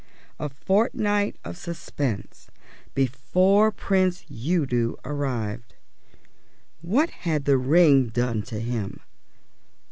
A fortnight of suspense before Prince Udo arrived. What had the ring done to him?